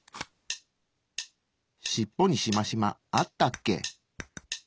しっぽにしましまあったっけ？